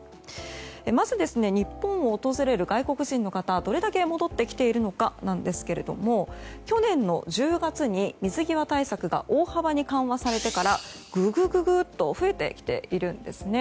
まず、日本を訪れる外国人の方がどれだけ戻ってきているのかなんですけれども去年の１０月に水際対策が大幅に緩和されてからググッと増えてきているんですね。